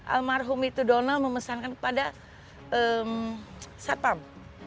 almarhum itu donald memesankan kepada satpam